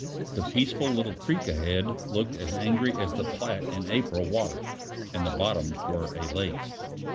The peaceful little creek ahead looked as angry as the Platte in April water, and the bottoms were a lake.